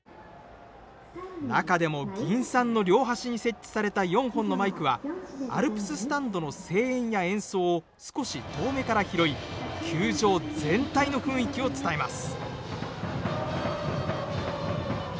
中でも銀傘の両端に設置された４本のマイクはアルプススタンドの声援や演奏を少し遠目から拾い球場全体の雰囲気を伝えます。